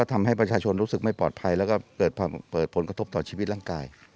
ทำให้ประชาชนรู้สึกไม่ปลอดภัยแล้วก็เกิดผลกระทบต่อชีวิตร่างกาย